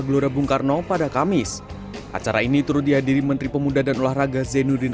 gelora bung karno pada kamis acara ini turut dihadiri menteri pemuda dan olahraga zainuddin